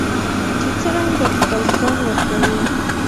چې څرنګه خپل ځان ورکوو.